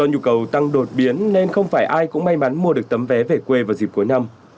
do nhu cầu tăng đột biến nên không phải ai cũng may mắn mua được tấm vé về quê vào dịp cuối năm